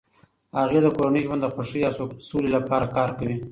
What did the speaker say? هغې د کورني ژوند د خوښۍ او سولې لپاره کار کوي.